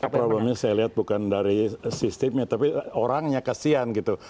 problemnya saya lihat bukan dari sistemnya tapi orangnya kasihan gitu